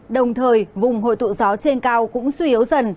đồng thời vùng hội tụ gió trên cao cũng suy yếu dần